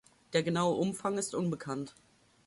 Der genaue Umfang ist unbekannt.